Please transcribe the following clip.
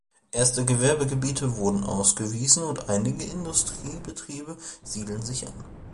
Erste Gewerbegebiete wurden ausgewiesen und einige Industriebetriebe siedelten sich an.